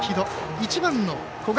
１番の古閑。